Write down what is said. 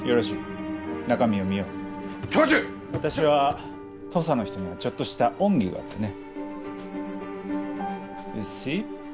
私は土佐の人にはちょっとした恩義があってね。